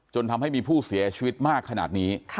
จนทำให้มีผู้เสียชีวิตมากขนาดนี้